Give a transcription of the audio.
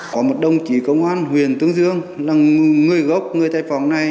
có một đồng chỉ công an huyền tương dương là người gốc người tài vọng này